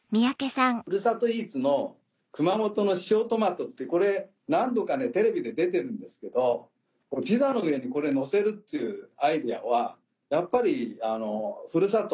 ふるさとイーツの熊本の塩トマトってこれ何度かテレビで出てるんですけどピザの上にのせるっていうアイデアはやっぱりふるさと。